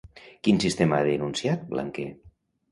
Quin sistema ha denunciat Blanquer?